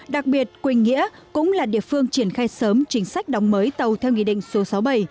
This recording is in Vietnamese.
đặc biệt quỳnh nghĩa cũng là địa phương triển khai sớm chính sách đóng mới tàu theo nghị định số sáu mươi bảy